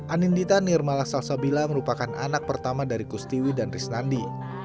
anindita nirmala salsabila merupakan anak pertama dari kustiwi dan risnandi